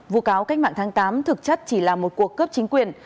vụ cáo cách mạng tháng tám thực chất chỉ là một cuộc cướp chính quyền